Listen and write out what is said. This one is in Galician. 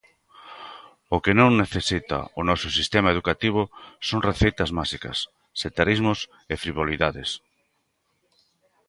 O que non necesita o noso sistema educativo son receitas máxicas, sectarismos e frivolidades.